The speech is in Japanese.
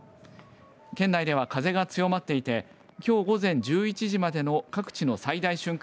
県内では、風が強まっていてきょう午前１１時までの各地の最大瞬間